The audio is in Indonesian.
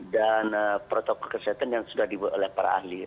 dan protokol kesehatan yang sudah dibuat oleh para ahli